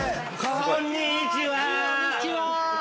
◆こーんにちはー！